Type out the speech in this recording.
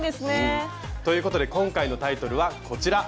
うん。ということで今回のタイトルはこちら！